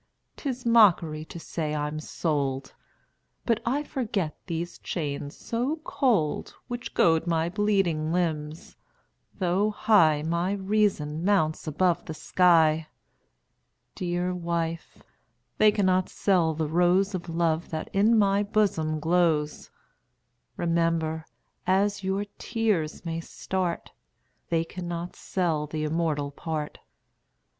'Tis mockery to say I'm sold! But I forget these chains so cold, Which goad my bleeding limbs; though high My reason mounts above the sky. Dear wife, they cannot sell the rose Of love that in my bosom glows. Remember, as your tears may start, They cannot sell the immortal part.